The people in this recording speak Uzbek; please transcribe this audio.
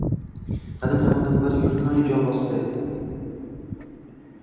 Qadim zamonda bir yurtni yov bosibdi.